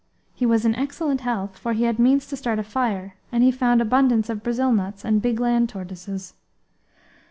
He was in excellent health, for he had means to start a fire, and he found abundance of Brazil nuts and big land tortoises.